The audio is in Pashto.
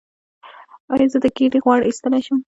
ایا زه د ګیډې غوړ ایستلی شم؟